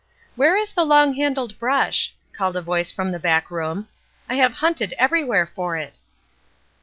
"Where is the long handled brush?" called a voice from the back room. "I have hunted everywhere for it."